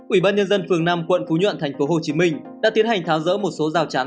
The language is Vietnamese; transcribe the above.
ủy ban nhân dân phường năm quận phú nhuận tp hcm đã tiến hành tháo rỡ một số rào chắn